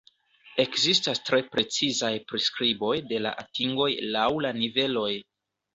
Ekzistas tre precizaj priskriboj de la atingoj laŭ la niveloj.